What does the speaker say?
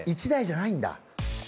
１台じゃないんだ！